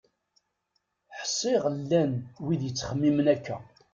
Ḥsiɣ llan wid yettxemmimen akka.